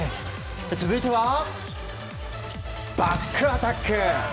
続いては、バックアタック！